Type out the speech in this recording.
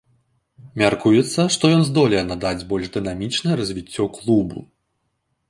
Мяркуецца, што ён здолее надаць больш дынамічнае развіццё клубу.